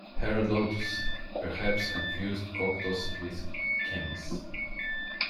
Herodotus perhaps confused Coptos with Chemmis.